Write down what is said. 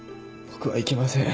僕は行けません。